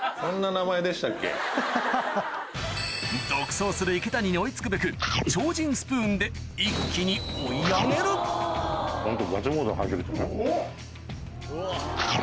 独走する池谷に追い付くべく超人スプーンで一気に追い上げる・ガチモード入って来た・うわ。